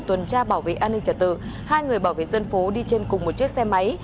tuần tra bảo vệ an ninh trả tự hai người bảo vệ dân phố đi trên cùng một chiếc xe máy